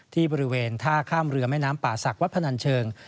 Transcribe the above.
ที่บริเวณท่าข้ามเรือแม่น้ำป่าศักดิ์วัดพนันเชิง